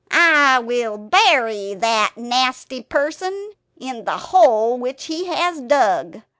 "I will bury that nasty person in the hole which he has dug.